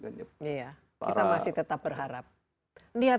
kan ya para masih tetap berharap niatnya sebenarnya semua orang tuh lihatnya